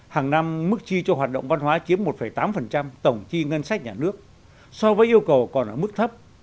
hàng năm mức chi cho hoạt động văn hóa chiếm một tám tổng chi ngân sách nhà nước so với yêu cầu còn ở mức thấp